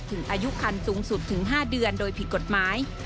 อายุคันสูงสุดถึง๕เดือนโดยผิดกฎหมาย